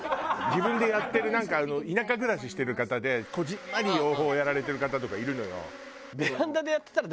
自分でやってるなんかあの田舎暮らししてる方でこぢんまり養蜂をやられてる方とかいるのよ。